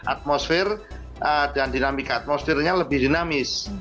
atmosfer dan dinamika atmosfernya lebih dinamis